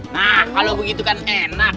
nah kalau begitu kan enak